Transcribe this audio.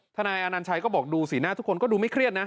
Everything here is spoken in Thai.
นายอนัญชัยก็บอกดูสีหน้าทุกคนก็ดูไม่เครียดนะ